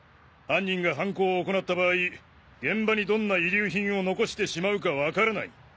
犯人が犯行を行った場合現場にどんな遺留品を残してしまうか分からない。